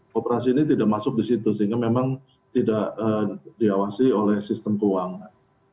kooperasi ini tidak masuk di situ sehingga memang tidak diawasi oleh sistem keuangan